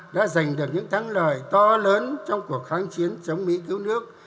đã giành được những thắng lợi to lớn trong cuộc kháng chiến chống mỹ cứu nước